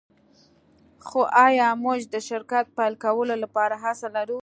خو ایا موږ د شرکت پیل کولو لپاره هرڅه لرو